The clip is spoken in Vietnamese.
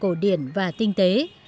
cổ điển và tinh tế